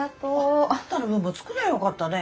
あっあんたの分も作りゃよかったね。